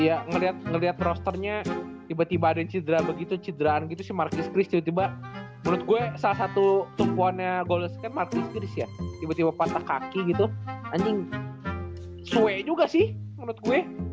iya ngeliat ngeliat rosternya tiba tiba ada yang cederaan begitu cederaan gitu si marcus chris tiba tiba menurut gue salah satu tumpuannya golden state marcus chris ya tiba tiba patah kaki gitu anjing sway juga sih menurut gue